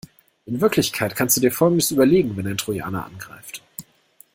In Wirklichkeit kannst du dir folgendes überlegen wenn ein Trojaner angreift.